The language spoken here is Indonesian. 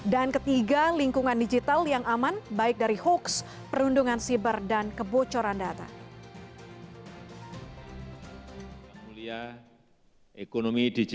dan ketiga lingkungan digital yang aman baik dari hoax perundungan siber dan kebocoran